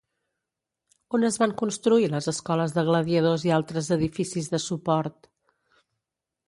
On es van construir les escoles de gladiadors i altres edificis de suport?